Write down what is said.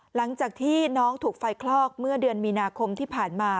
หลังจากที่น้องถูกไฟคลอกเมื่อเดือนมีนาคมที่ผ่านมา